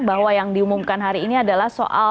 bahwa yang diumumkan hari ini adalah soal